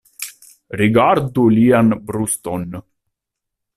Rigardu lian bruston.